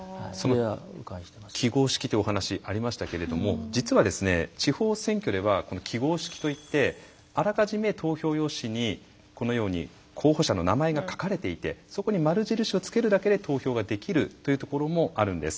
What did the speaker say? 記号式というお話がありましたけど実は、地方選挙では記号式といってあらかじめ投票用紙にこのように候補者の名前が書かれていてそこに丸印をつけるだけで投票ができるというところもあるんです。